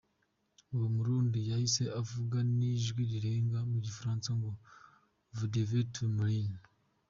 Uwo murundi yahise avuga n’ijwi rirenga mu gifaransa ngo Vous devez tous mourir.